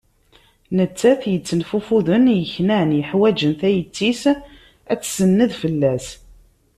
Nettat yettenfufuden, yeknan, yuḥwaǧen tayet-is ad tsened fell-as.